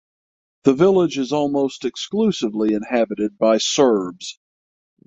The village is almost exclusively inhabited by Serbs.